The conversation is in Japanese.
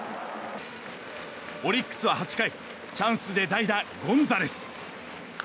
オリックスは８回チャンスで代打、ゴンザレス。